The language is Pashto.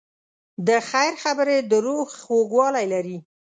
د خیر خبرې د روح خوږوالی لري.